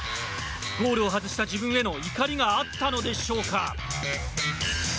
ゴールを外した自分への怒りがあったのでしょうか。